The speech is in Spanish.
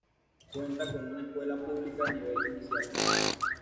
Cuenta con una escuela pública de nivel inicial.